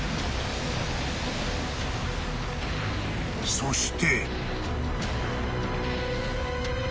［そして］